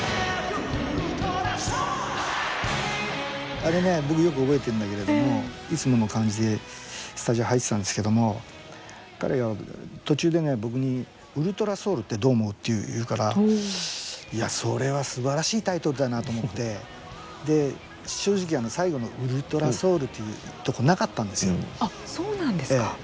あれね僕よく覚えてんだけれどもいつもの感じでスタジオ入ってたんですけども彼が途中でね、僕に「ｕｌｔｒａｓｏｕｌ」ってどう思う？っていうからいや、それはすばらしいタイトルだなと思ってで、正直あの最後の「ウルトラソウル」ってとこあ、そうなんですか。